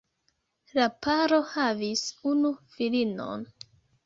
La paro havis unu filinon.